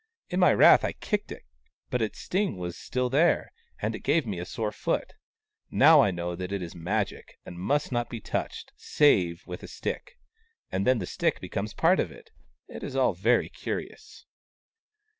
In my wrath I kicked it, but its sting was still there, and it gave me a very sore foot. Now I know that it is Magic, and must not be touched, save with a stick — andthen the stick becomes part of it. It is all very curious."